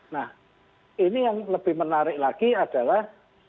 nah ini yang lebih menarik lagi adalah